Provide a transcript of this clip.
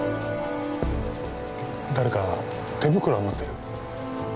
誰か手袋余ってる？